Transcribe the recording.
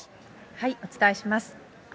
お伝えします。